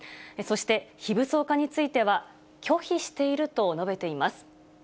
そして、非武装化については拒否していると述べています。